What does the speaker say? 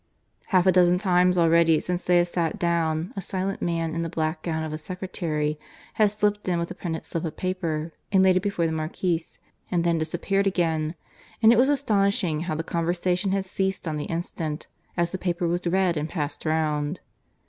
Half a dozen times already since they had sat down a silent man in the black gown of a secretary had slipped in with a printed slip of paper and laid it before the Marquis and then disappeared again, and it was astonishing how the conversation had ceased on the instant, as the paper was read and passed round.